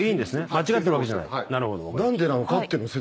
間違ってるわけじゃない？